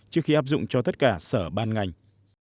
trước khi áp dụng cho tất cả sở ban ngành